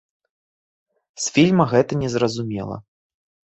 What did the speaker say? З фільма гэта не зразумела.